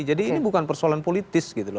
jadi ini bukan persoalan politis gitu loh